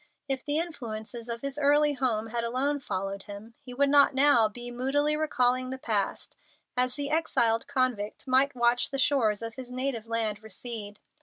If the influences of his early home had alone followed him, he would not now be moodily recalling the past as the exiled convict might watch the shores of his native land recede.